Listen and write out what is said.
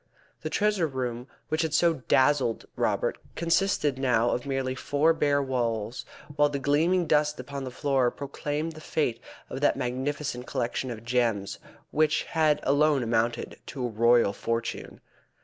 The treasure room which had so dazzled Robert consisted now of merely four bare walls, while the gleaming dust upon the floor proclaimed the fate of that magnificent collection of gems which had alone amounted to a royal fortune.